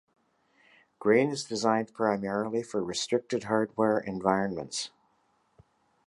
Grain is designed primarily for restricted hardware environments.